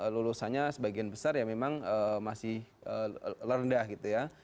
lulusannya sebagian besar ya memang masih rendah gitu ya